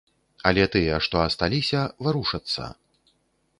Але тыя, што асталіся, варушацца.